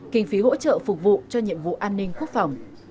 kinh phí hỗ trợ phục vụ cho nhiệm vụ an ninh quốc phòng